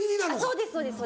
そうですそうです。